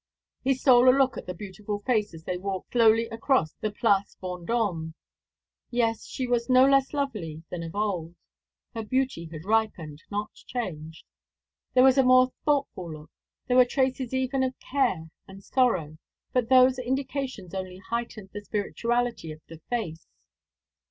He stole a look at the beautiful face as they walked slowly across the Place Vendôme. Yes, she was no less lovely than of old; her beauty had ripened, not changed. There was a more thoughtful look, there were traces even of care and sorrow; but those indications only heightened the spirituality of the face.